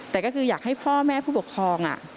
แต่ก็คืออยากให้พ่อแม่ผู้ปกครอง